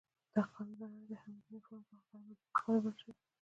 دغه قانون د نړۍ د هر مدني فورم لخوا غیر مدني قانون بلل شوی.